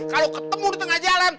kalau ketemu di tengah jalan